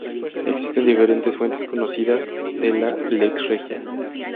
Existen diferentes fuentes conocidas de la "Lex Regia".